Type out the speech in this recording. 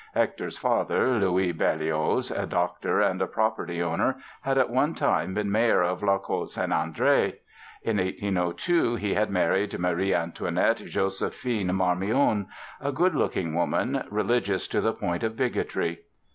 Hector's father, Louis Berlioz, a doctor and a property owner, had at one time been mayor of La Côte Saint André. In 1802 he had married Marie Antoinette Joséphine Marmion, a good looking woman, religious to the point of bigotry.